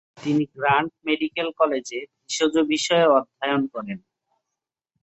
তিনি Grant medical কলেজে ভেষজ বিষয়ে অধ্যায়ন শুরু করেন।